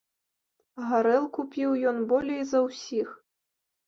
Гарэлку піў ён болей за ўсіх.